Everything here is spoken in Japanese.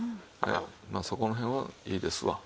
まあそこの辺はいいですわ。